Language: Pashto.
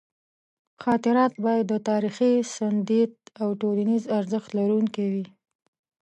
خاطرات باید د تاریخي سندیت او ټولنیز ارزښت لرونکي وي.